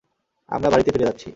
আমরা বাড়িতে ফিরে যাচ্ছি।